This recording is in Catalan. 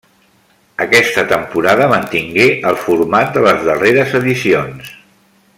Aquesta temporada mantingué el format de les darreres edicions.